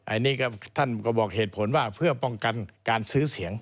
อันนี้ก็ท่านก็บอกเหตุผลว่าเพื่อป้องกันการซื้อเสียง